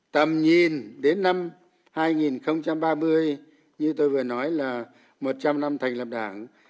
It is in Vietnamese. tầm nhìn đến năm hai nghìn ba mươi như tôi vừa nói là một trăm linh năm thành lập đảng